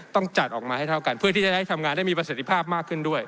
ต้องจัดออกมาให้เท่ากันเพื่อที่จะได้ทำงานได้มีประสิทธิภาพมากขึ้นด้วย